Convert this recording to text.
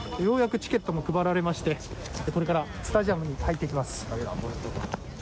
ようやくチケットも配られましてこれからスタジアムに入っていきます。